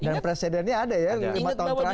dan presidennya ada ya lima tahun terakhir